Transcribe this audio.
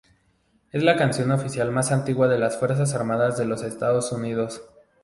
Es la canción oficial más antigua de las Fuerzas Armadas de los Estados Unidos.